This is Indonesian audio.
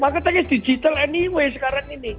marketing is digital anyway sekarang ini